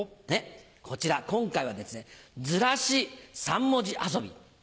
こちら今回はですねずらし３文字遊び。